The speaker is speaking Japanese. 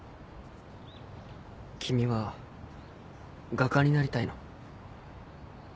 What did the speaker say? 君は画家になりたいの？